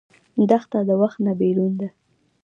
دښته د وخت نه بېرون ده.